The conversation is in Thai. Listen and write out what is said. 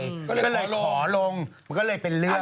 ก็เลยขอลงมันก็เลยเป็นเรื่อง